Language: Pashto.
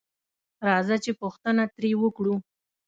راځه چې پوښتنه تري وکړو